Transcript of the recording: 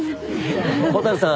蛍さん